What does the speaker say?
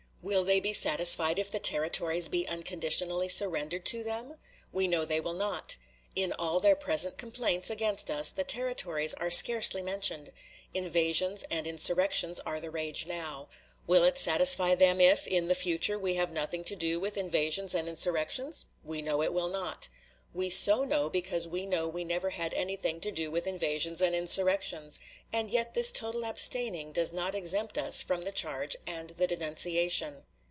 Will they be satisfied if the Territories be unconditionally surrendered to them? We know they will not. In all their present complaints against us the Territories are scarcely mentioned. Invasions and insurrections are the rage now. Will it satisfy them if, in the future, we have nothing to do with invasions and insurrections? We know it will not. We so know, because we know we never had anything to do with invasions and insurrections; and yet this total abstaining does not exempt us from the charge and the denunciation.